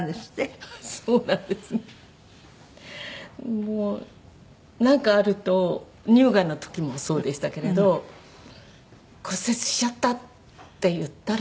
もうなんかあると乳がんの時もそうでしたけれど「骨折しちゃった」って言ったら。